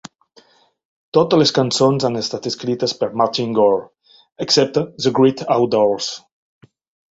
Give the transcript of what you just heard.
Totes les cançons han estat escrites per Martin Gore, excepte The Great Outdoors!